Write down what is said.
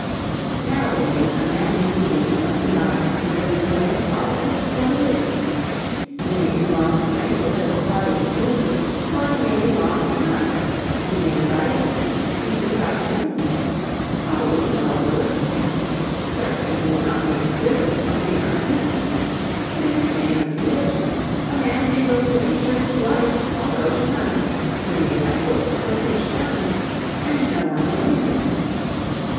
Nowadays a man may believe what he likes either in the way of politics or religion. He may belong to any political party he pleases, or he may belong to none. He may write and make speeches about his opinions. Probably no one will listen to him; certainly he will not be imprisoned for mere opinions. It is the same with religion. A man may go to any church he likes, or go to none. He may write books or preach sermons, and no one will hinder him.